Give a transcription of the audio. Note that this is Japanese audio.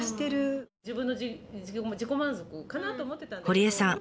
堀江さん